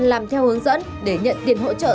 làm theo hướng dẫn để nhận tiền hỗ trợ